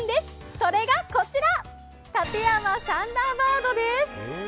それが、こちら立山サンダーバードです。